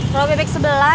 kalau ppk sebelas